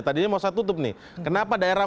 tadi ini mau saya tutup nih kenapa daerah